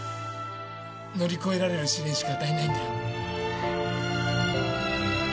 乗り越えられる試練しか与えないんだよ